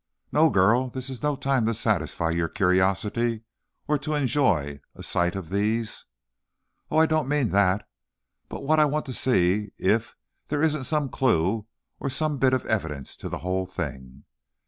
"No, girl; this is no time to satisfy your curiosity or, to enjoy a sight of these " "Oh, I don't mean that! But I want to see if there isn't some clew or some bit of evidence to the whole thing.